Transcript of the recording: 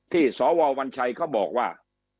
ที่สอวร์วัญชัยเขาบอกว่า